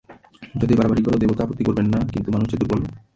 যতই বাড়াবাড়ি করো দেবতা আপত্তি করবেন না, কিন্তু মানুষ যে দুর্বল।